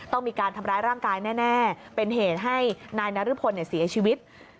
ต้องมีการทำร้ายร่างกายแน่เป็นเหตุให้นายนรพลเสียชีวิต